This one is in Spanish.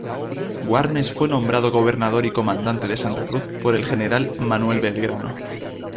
Warnes fue nombrado Gobernador y Comandante de Santa Cruz por el general Manuel Belgrano.